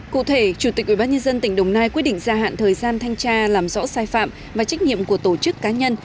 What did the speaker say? cụ thể chủ tịch ubnd tỉnh đồng nai quyết định gia hạn thời gian thanh tra làm rõ sai phạm và trách nhiệm của tổ chức cá nhân